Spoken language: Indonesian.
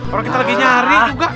kalau kita lagi nyari juga